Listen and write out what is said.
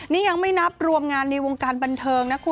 นี่ยังไม่นับรวมงานในวงการบันเทิงนะคุณ